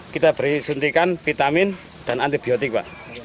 kita beri suntikan vitamin dan antibiotik pak